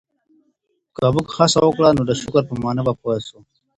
که موږ هڅه وکړو نو د شکر په مانا به پوه سو.